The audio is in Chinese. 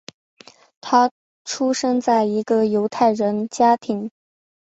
他出生在一个犹太人家庭。